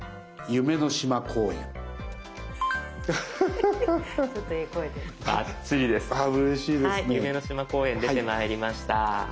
夢の島公園出てまいりました。